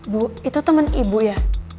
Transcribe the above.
bu itu teman ibu ya